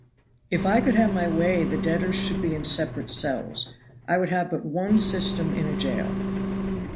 "If I could have my way the debtors should be in separate cells. I would have but one system in a jail."